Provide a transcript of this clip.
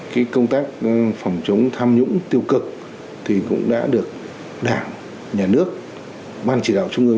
cái công tác phòng chống tham nhũng tiêu cực thì cũng đã được đảng nhà nước ban chỉ đạo trung ương